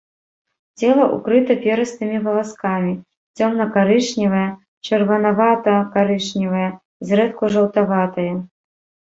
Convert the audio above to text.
Цела ўкрыта перыстымі валаскамі, цёмна-карычневае, чырванавата-карычневае, зрэдку жаўтаватае.